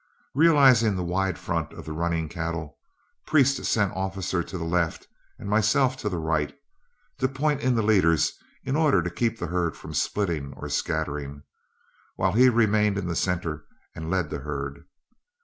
Realizing the wide front of the running cattle, Priest sent Officer to the left and myself to the right, to point in the leaders in order to keep the herd from splitting or scattering, while he remained in the centre and led the herd.